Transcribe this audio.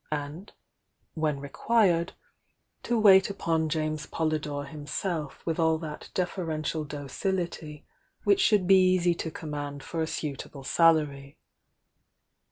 uiH, when re quired, to wait upon James I'olytiore hinielf with all that deferential docility which pIv r!(l be eajy to command for a suitable salary.